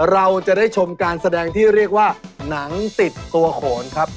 เราจะได้ชมการแสดงที่เรียกว่าหนังติดตัวโขนครับ